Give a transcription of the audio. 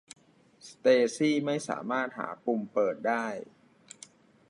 สเตซี่ย์ไม่สามารถหาปุ่มเปิดได้